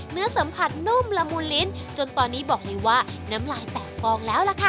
เนื้อสัมผัสนุ่มละมุนลิ้นจนตอนนี้บอกเลยว่าน้ำลายแตกฟองแล้วล่ะค่ะ